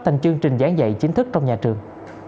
thành chương trình giảng dạy chính thức trong nhà trường